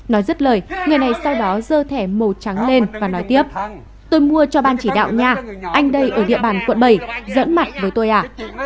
nói rất lời người này sau đó dơ thẻ màu trắng lên và nói tiếp tôi mua cho ban chỉ đạo nhà anh đây ở địa bàn quận bảy dẫn mặt với tôi ạ